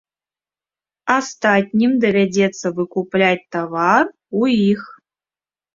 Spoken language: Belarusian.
Астатнім давядзецца выкупляць тавар у іх.